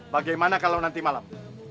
bagaimana kalau nanti malam